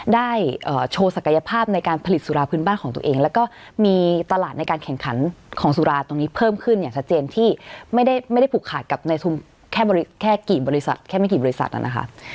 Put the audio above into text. ได้โชว์ศักยภาพในการผลิตสุราพื้นบ้านของตัวเองแล้วก็มีตลาดในการแข่งขันของสุราตรงนี้เพิ่มขึ้นอย่างชัดเจนที่ไม่ได้ผูกขาดกับในแค่กี่บริษัทแค่ไม่กี่บริษัทนะคะ